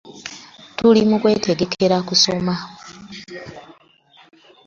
Tuli mu kwetegekera kusoma.